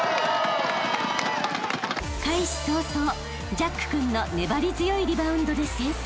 ［開始早々ジャック君の粘り強いリバウンドで先制］